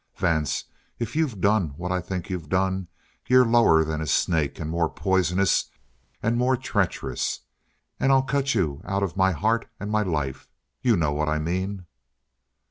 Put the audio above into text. "Vance, if you've done what I think you've done, you're lower than a snake, and more poisonous and more treacherous. And I'll cut you out of my heart and my life. You know what I mean?"